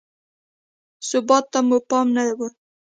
ثبات ته مو پام نه وي.